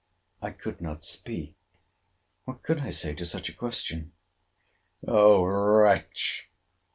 I could not speak. What could I say to such a question? O wretch!